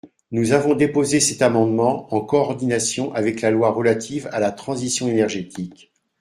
Nous avons déposé cet amendement en coordination avec la loi relative à la transition énergétique.